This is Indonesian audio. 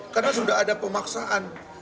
karena sudah ada pemaksaan